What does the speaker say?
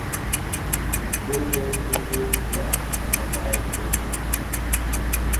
বললই হত যে আচ্ছা আমরা আসবো!